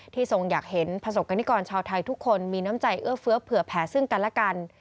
ทรงอยากเห็นประสบกรณิกรชาวไทยทุกคนมีน้ำใจเอื้อเฟื้อเผื่อแผ่ซึ่งกันและกัน